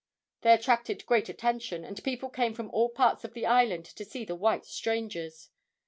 They attracted great attention, and people came from all parts of the island to see the white strangers.